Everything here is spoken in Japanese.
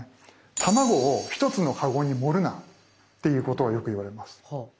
「卵を一つのカゴに盛るな」っていうことをよく言われます。